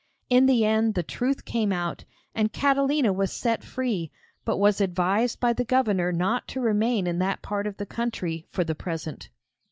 In the end the truth came out, and Catalina was set free, but was advised by the Governor not to remain in that part of the country for the present.